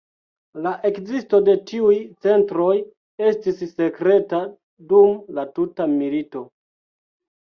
La ekzisto de tiuj centroj estis sekreta dum la tuta milito.